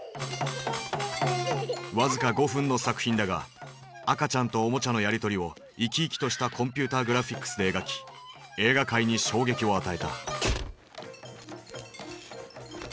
僅か５分の作品だが赤ちゃんとおもちゃのやり取りを生き生きとしたコンピューターグラフィックスで描き映画界に衝撃を与えた。